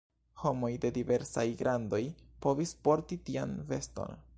Homoj de diversaj grandoj povis porti tian veston.